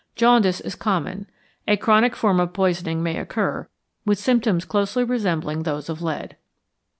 Jaundice is common. A chronic form of poisoning may occur, with symptoms closely resembling those of lead.